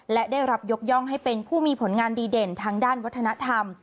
และได้รับยกย่องให้เป็นผู้มีผลงานดีเด่นทางด้านวัฒนธรรม